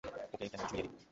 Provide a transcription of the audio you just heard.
ওকে কেন ঝুলিয়ে দিলি?